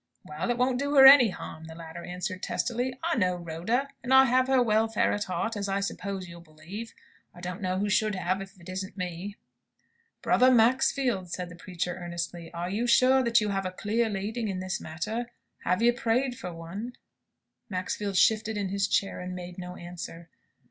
"Well, it won't do her any harm," the latter answered, testily. "I know Rhoda; and I have her welfare at heart, as, I suppose, you'll believe. I don't know who should have, if it isn't me!" "Brother Maxfield," said the preacher, earnestly, "are you sure that you have a clear leading in this matter? Have you prayed for one?" Maxfield shifted in his chair, and made no answer.